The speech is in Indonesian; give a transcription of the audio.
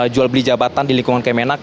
jual beli jabatan di lingkungan kemenak